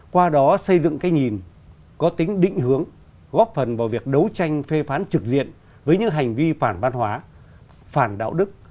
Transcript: qua đó xây dựng cái nhìn có tính định hướng góp phần vào việc đấu tranh phê phán trực diện với những hành vi phản văn hóa phản đạo đức